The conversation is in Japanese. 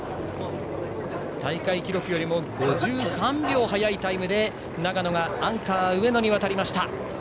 大会記録よりも５３秒速いタイムで長野のたすきがアンカー、上野に渡りました。